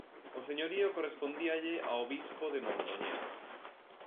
O señorío correspondíalle ao bispo de Mondoñedo.